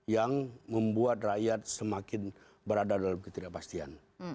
yang membuat rakyat semakin berada dalam ketidakpastian